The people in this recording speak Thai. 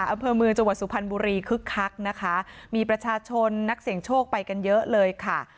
อำเภอเมืองจังหวัดสุพรรณบุรีคึกคักนะคะมีประชาชนนักเสี่ยงโชคไปกันเยอะเลยค่ะ